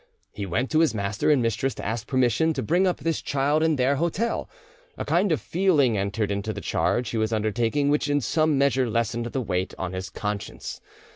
He went to his master and mistress to ask permission to bring up this child in their hotel; a kind of feeling entered into the charge he was undertaking which in some measure lessened the weight on his conscience.